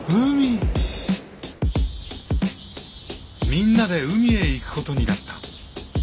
みんなで海へ行くことになった。